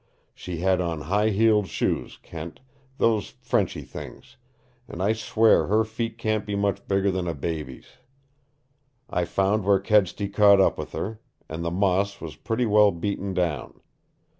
"She had on high heeled shoes, Kent those Frenchy things and I swear her feet can't be much bigger than a baby's! I found where Kedsty caught up with her, and the moss was pretty well beaten down.